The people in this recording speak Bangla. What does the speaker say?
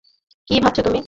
কী ভাবছো তুমি?